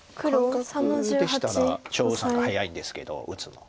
感覚でしたら張栩さんが早いんですけど打つの。